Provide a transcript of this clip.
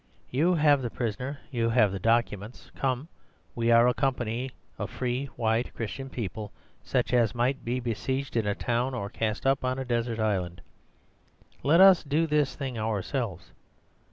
You have the prisoner; you have the documents. Come, we are a company of free, white, Christian people, such as might be besieged in a town or cast up on a desert island. Let us do this thing ourselves.